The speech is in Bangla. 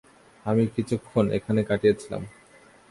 আমি কিছুক্ষণ এখানে কাটিয়েছিলাম।